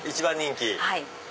はい。